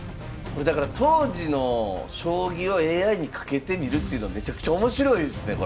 これだから当時の将棋をＡＩにかけてみるっていうのめちゃくちゃ面白いですねこれ。